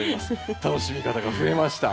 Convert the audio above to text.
楽しみ方が増えました。